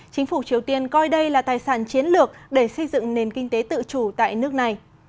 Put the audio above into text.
chính phủ triều tiên coi đây là tài sản chiến lược để xây dựng nền kinh tế tự chủ tại nước này